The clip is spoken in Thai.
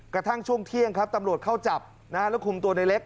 กระทั่งช่วงเที่ยงครับตำรวจเข้าจับและคุมตัวในเล็ก